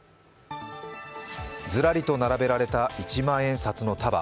ずらりと並べられた一万円札の束。